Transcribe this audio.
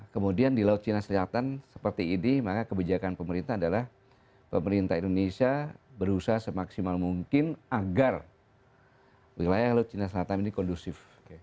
kemudian di laut cina selatan seperti ini maka kebijakan pemerintah adalah pemerintah indonesia berusaha semaksimal mungkin agar wilayah laut cina selatan ini kondusif